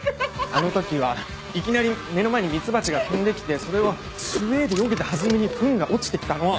あの時はいきなり目の前にミツバチが飛んで来てそれをスウェーでよけた弾みにフンが落ちて来たの！